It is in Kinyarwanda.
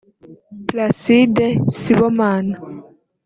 Placide Sibomana